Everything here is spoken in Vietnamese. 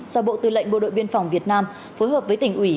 do bộ tư lệnh bộ đội biên phòng việt nam phối hợp với tỉnh ủy